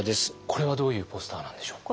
これはどういうポスターなんでしょう？